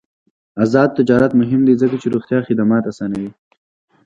آزاد تجارت مهم دی ځکه چې روغتیا خدمات اسانوي.